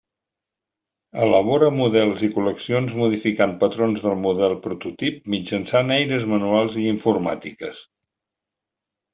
Elabora models i col·leccions modificant patrons del model prototip mitjançant eines manuals i informàtiques.